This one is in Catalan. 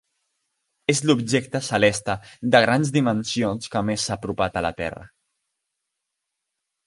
És l'objecte celeste de grans dimensions que més s'ha apropat a la Terra.